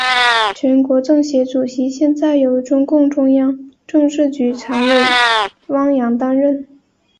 全国政协主席现在由中共中央政治局常委汪洋担任。